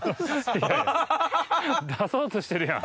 出そうとしてるやん。